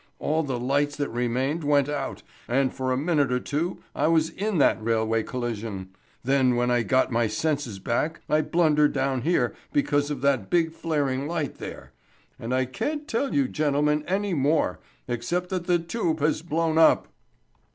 All the lights that remained went out, and for a minute or two I was in that railway collision. Then, when I got my senses back, I blundered down here because of that big flaring light there; and I can't tell you, gentlemen, any more, except that the tube has blown up."